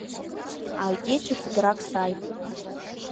А игече путырак сай.